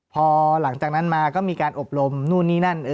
พอหลังจากนั้นมาก็มีการอบรมนู่นนี่นั่น